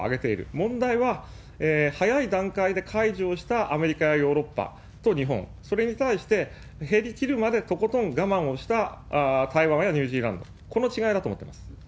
問題は、早い段階で解除をしたアメリカやヨーロッパと日本、それに対して、減りきるまでとことん我慢をした台湾やニュージーランド、この違いだと思ってます。